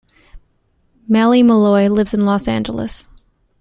Maile Meloy lives in Los Angeles.